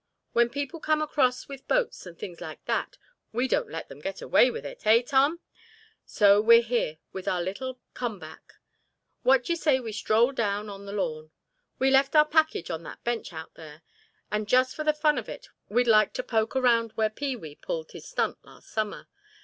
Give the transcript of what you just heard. When people come across with boats and things like that we don't let them get away with it—hey, Tom? So we're here with our little come back. What d'ye say we stroll down on the lawn? We left our package on that bench out there; and just for the fun of it we'd like to poke around where Pee wee pulled his stunt last summer.